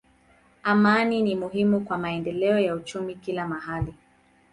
Amani ni muhimu kwa maendeleo ya uchumi kila mahali.